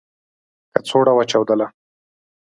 کڅوړه و چاودله .